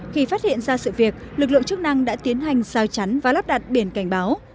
khi phát hiện ra sự việc lực lượng chức năng đã tiến hành giao chắn và lắp đặt biển cảnh báo